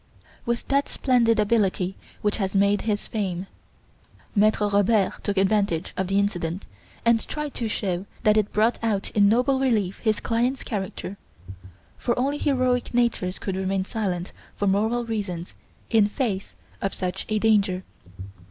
With that splendid ability which has made his fame, Maitre Robert took advantage of the incident, and tried to show that it brought out in noble relief his client's character; for only heroic natures could remain silent for moral reasons in face of such a danger.